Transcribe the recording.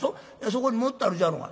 「そこに盛ってあるじゃろが」。